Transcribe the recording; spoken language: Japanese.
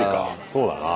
そうだな。